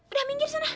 udah minggir sana